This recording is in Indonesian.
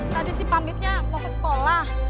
tadi si pamitnya mau ke sekolah